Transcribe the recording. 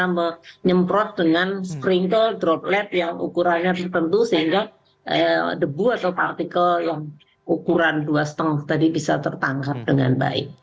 bisa menyemprot dengan sprinkle droplet yang ukurannya tertentu sehingga debu atau partikel yang ukuran dua lima tadi bisa tertangkap dengan baik